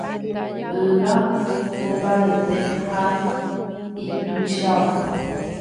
Yga imbarete ha ituicháva.